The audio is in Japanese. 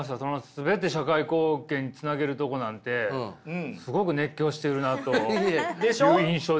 全て社会貢献につなげるとこなんてすごく熱狂してるなという印象でした。